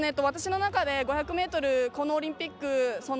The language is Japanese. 私の中で５００ｍこのオリンピック。